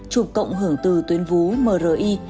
chụp cộng hưởng từ tuyến vú mri